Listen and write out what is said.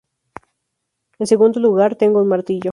En segundo lugar, tengo un martillo".